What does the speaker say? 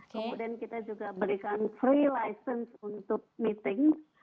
kemudian kita juga berikan free license untuk meeting